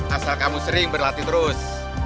asal kamu sering berlatih terus